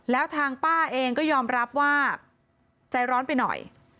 แล้วทางป้าเองก็ยอมรับว่าใจร้อนไปหน่อย